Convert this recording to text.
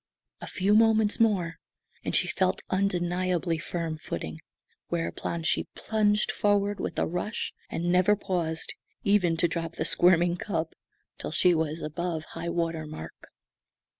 A few moments more and she felt undeniably firm footing; whereupon she plunged forward with a rush, and never paused, even to drop the squirming cub, till she was above high water mark.